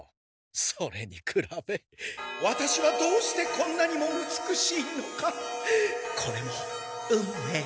それにくらべワタシはどうしてこんなにも美しいのかこれも運命。